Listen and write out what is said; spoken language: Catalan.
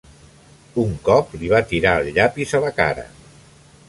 Un cop li va tirar el llapis a la cara.